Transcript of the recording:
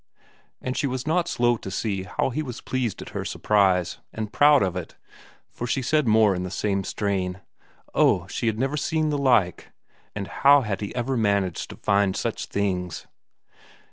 And she was not slow to see how he was pleased at her surprise, and proud of it, for she said more in the same strain oh, she had never seen the like, and how had he ever managed to find such things!